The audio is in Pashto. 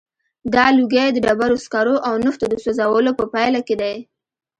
دا لوګی د ډبرو سکرو او نفتو د سوځولو په پایله کې دی.